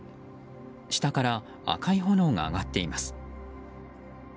下から赤い炎が上がっています。